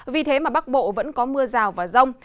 vì thế mà bắc bộ vẫn có mưa rào và rông